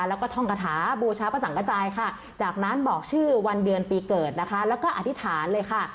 แล้วก็ท่องกระถาบูชาพระสังกระจายค่ะจากนั้นบอกชื่อวันเดือนปีเกิดนะคะแล้วก็อธิษฐานเลยค่ะ